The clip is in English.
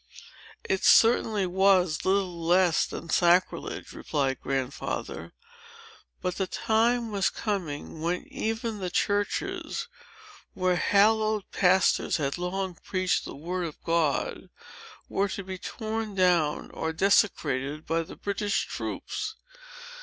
"It certainly was little less than sacrilege," replied Grandfather; "but the time was coming, when even the churches, where hallowed pastors had long preached the word of God, were to be torn down or desecrated by the British troops.